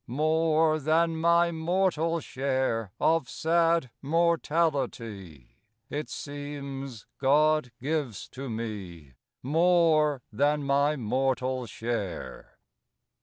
More than my mortal share Of sad mortality, It seems, God gives to me, More than my mortal share.